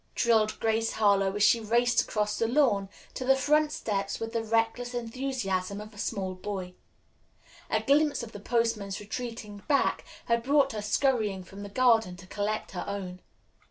trilled Grace Harlowe as she raced across the lawn to the front steps with the reckless enthusiasm of a small boy. A glimpse of the postman's retreating back had brought her scurrying from the garden to collect her own.